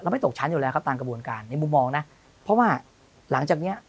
ไม่ตกชั้นอยู่แล้วครับตามกระบวนการในมุมมองนะเพราะว่าหลังจากเนี้ย